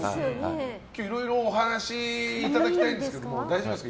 今日、いろいろお話いただきたいんですけど大丈夫ですか。